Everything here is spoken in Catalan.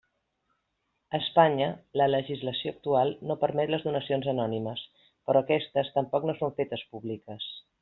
A Espanya, la legislació actual no permet les donacions anònimes, però aquestes tampoc no són fetes públiques.